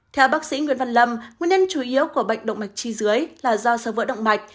theo bác sĩ nguyễn văn lâm nguyên nhân chủ yếu của bệnh động mạch chi dưới là do sơ vỡ động mạch